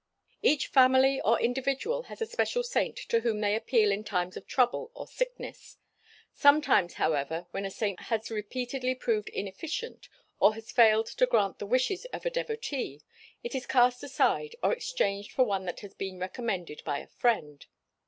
Each family or individual has a special saint to whom they appeal in times of trouble or sickness. Sometimes however when a saint has repeatedly proved inefficient or has failed to grant the wishes of a devotee, it is cast aside or exchanged for one that has been recommended by a friend.